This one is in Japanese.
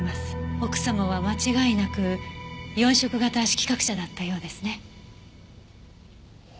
奥様は間違いなく四色型色覚者だったようですね。